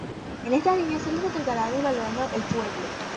En estas líneas solo se tratará del desenvolvimiento del pueblo.